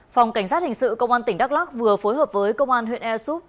phòng cảnh sát hình sự công an tỉnh đắk lắc vừa phối hợp với công an huyện airsoup